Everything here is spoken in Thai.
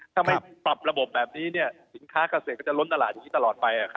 ถ้าไม่ปรับระบบแบบนี้เนี่ยสินค้ากเกษตรก็จะล้นตลาดตลอดไป